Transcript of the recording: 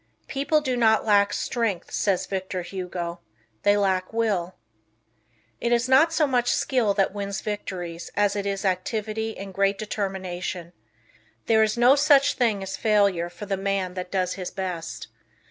"People do not lack strength," says Victor Hugo; "they lack Will." It is not so much skill that wins victories as it is activity and great determination There is no such thing as failure for the man that does his best.